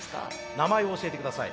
名前を教えて下さい。